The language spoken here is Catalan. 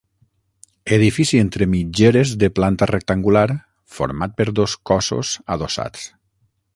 Edifici entre mitgeres de planta rectangular, format per dos cossos adossats.